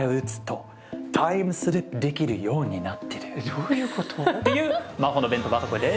どういうこと？っていう魔法の弁当箱です。